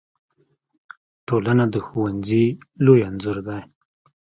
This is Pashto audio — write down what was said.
ټولنه د ښوونځي لوی انځور دی.